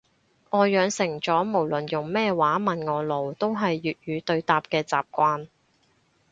我養成咗無論用咩話問我路都係粵語對答嘅習慣